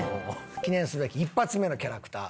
記念すべき一発目のキャラクター。